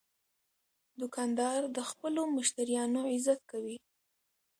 دوکاندار د خپلو مشتریانو عزت کوي.